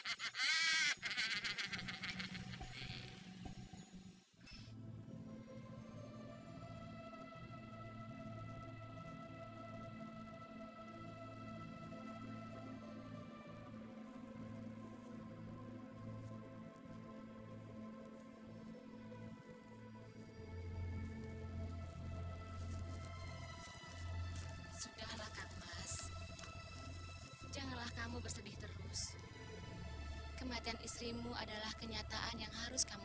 hai sudah lakan mas janganlah kamu bersedih terus kematian istrimu adalah kenyataan yang harus kamu